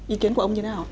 ý kiến của ông như thế nào